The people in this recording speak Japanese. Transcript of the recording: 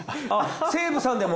西武さんでも？